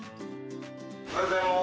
おはようございます。